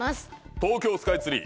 東京スカイツリー